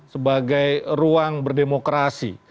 sebagai ruang berdemokrasi